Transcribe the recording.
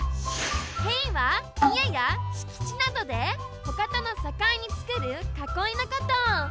塀はいえやしきちなどでほかとのさかいにつくるかこいのこと。